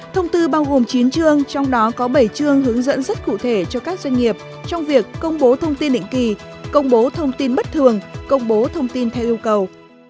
thông tư bao gồm chín chương trong đó có bảy chương hướng dẫn rất cụ thể cho các doanh nghiệp trong việc công bố thông tin định kỳ công bố thông tin bất thường công bố thông tin theo yêu cầu